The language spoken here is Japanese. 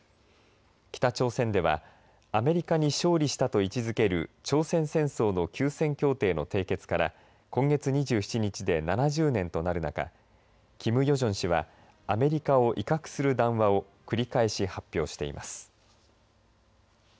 北朝鮮ではアメリカに勝利したと位置づける朝鮮戦争の休戦協定からの締結から今月２７日で７０年となる中キム・ヨジョン氏はアメリカを威嚇する談話を繰り返し発表しています。